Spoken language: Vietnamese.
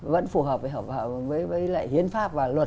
vẫn phù hợp với lại hiến pháp và luật